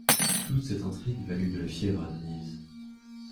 Toute cette intrigue valut de la fièvre à Denise.